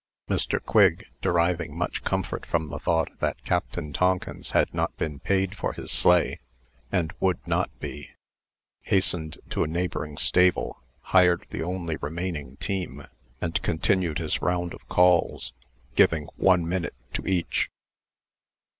Mr. Quigg, deriving much comfort from the thought that Captain Tonkins had not been paid for his sleigh, and would not be, hastened to a neighboring stable, hired the only remaining team, and continued his round of calls, giving one minute to each.